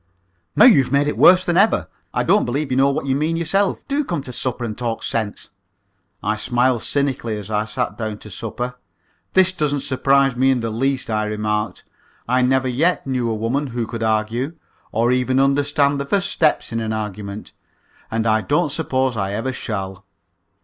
"Now you've made it worse than ever. I don't believe you know what you mean yourself. Do come to supper and talk sense." I smiled cynically as I sat down to supper. "This doesn't surprise me in the least," I remarked. "I never yet knew a woman who could argue, or even understand the first step in an argument, and I don't suppose I ever shall."